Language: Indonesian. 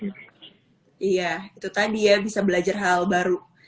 iya itu tadi ya bisa belajar hal baru